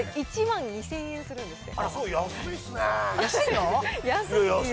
１万２０００円するんですって。